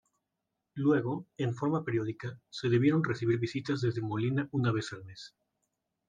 Luego, en forma periódica, se debieron recibir visitas desde Molina una vez al mes.